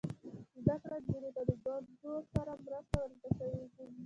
زده کړه نجونو ته د کونډو سره مرسته ور زده کوي.